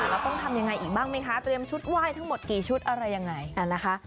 แล้วต้องทำยังไงอีกบ้างไหมคะเตรียมชุดไหว้ทั้งหมดกี่ชุดอะไรยังไงนะคะ